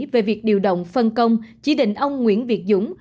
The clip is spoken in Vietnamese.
về việc điều động phân công chỉ định ông nguyễn việt dũng